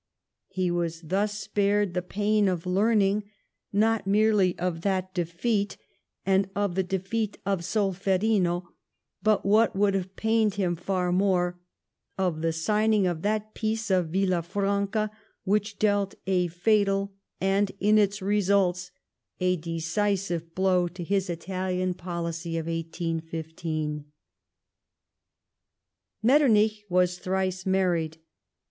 He was thus spared the pain of learning, not merely of that defeat, and of the defeat of Solferino, but what would have pained him far more — of the signing of that Peace of Villafranca w'hich dealt a fatal, and, in its results, a decisive blow to his Italian policy of 1815. jMetternich was thrice married.